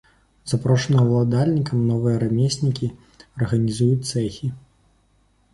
Запрошаныя ўладальнікам новыя рамеснікі арганізуюць цэхі.